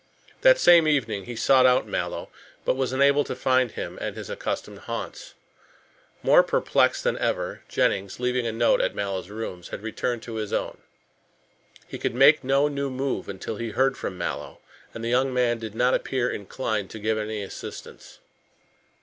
That same evening he sought out Mallow, but was unable to find him at his accustomed haunts. More perplexed than ever, Jennings, leaving a note at Mallow's rooms, had returned to his own. He could make no new move until he heard from Mallow, and the young man did not appear inclined to give any assistance.